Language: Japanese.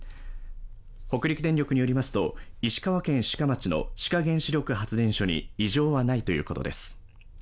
北陸電力によりますと、石川県志賀町の志賀原子力発電所に異常はないということです。